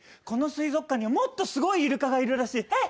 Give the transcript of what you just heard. この水族館にはもっとすごいイルカがいるらしい。